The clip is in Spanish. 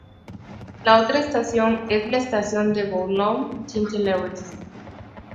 La otra estación es la estación de Boulogne-Tintelleries.